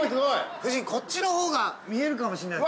夫人、こっちのほうが見えるかもしれないです。